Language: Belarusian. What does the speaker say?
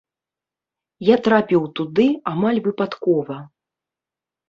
Я трапіў туды амаль выпадкова.